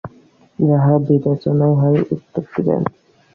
যাহা বিবেচনায় হয়, উত্তর দিবেন।